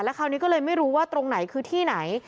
คราวนี้ก็เลยไม่รู้ว่าตรงไหนคือที่ไหน